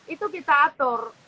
itu kita atur